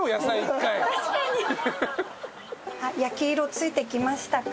焼き色付いてきましたか？